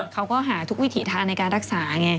เขาก็หาทุกวิถีทางในการรักษาไง